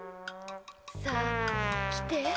さあ来て。